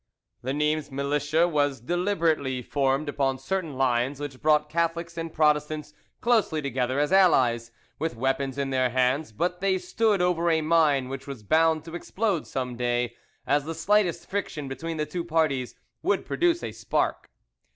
The Nimes Militia was deliberately formed upon certain lines which brought Catholics and Protestants closely together as allies, with weapons in their hands; but they stood over a mine which was bound to explode some day, as the slightest friction between the two parties would produce a spark.